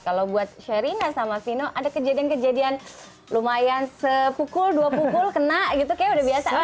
kalau buat sherina sama vino ada kejadian kejadian lumayan sepukul dua pukul kena gitu kayaknya udah biasa